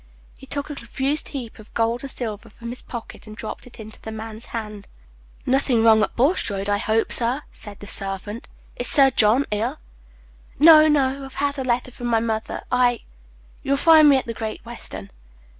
He took a confused heap of gold and silver from his pocket, and dropped it into the man's hand. "Nothing wrong at Bulstrode, I hope, sir?" said the servant. "Is Sir John ill?" "No, no; I've had a letter from my mother I you'll find me at the Great Western."